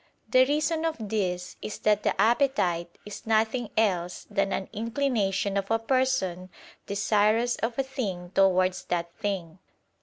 The reason of this is that the appetite is nothing else than an inclination of a person desirous of a thing towards that thing.